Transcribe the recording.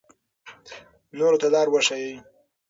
نورو ته لار وښایئ.